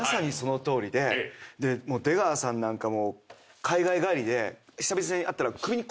出川さんなんか海外帰りで久々に会ったら。